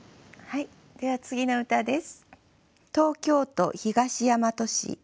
では次の歌です。